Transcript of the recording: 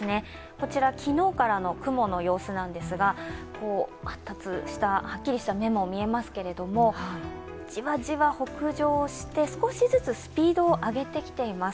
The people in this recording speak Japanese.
こちら、昨日からの雲の様子なんですが発達した、はっきりした目も見えますけれども、じわじわ北上して少しずつスピードを上げてきています。